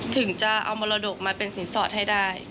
ถึงจะเอามรดกมาเป็นสินสอดให้ได้